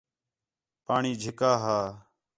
پاݨی جِھکّا ہا